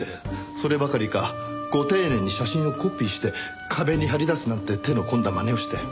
そればかりかご丁寧に写真をコピーして壁に貼り出すなんて手の込んだまねをして。